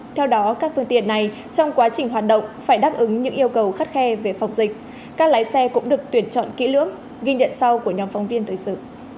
theo đó các phương tiện này trong quá trình hoạt động phải đáp ứng những yêu cầu khắt khe về phòng dịch các lái xe cũng được tuyển chọn kỹ lưỡng ghi nhận sau của nhóm phóng viên thời sự